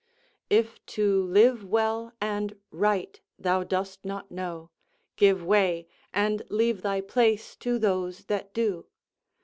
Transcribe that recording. "If to live well and right thou dost not know, Give way, and leave thy place to those that do.